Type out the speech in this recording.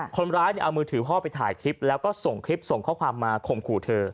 คนร้ายเอามือถือพ่อไปถ่ายคลิปแล้วก็ส่งคลิปส่งข้อความมาข่มขู่เธอ